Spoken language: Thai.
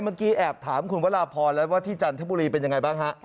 เมื่อกี้แอบถามคุณวราพรแล้วว่าที่จันทบุรีเป็นยังไงบ้างฮะ